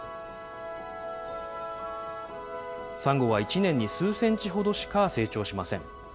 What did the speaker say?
サンゴは１年に数センチほどしか成長しません。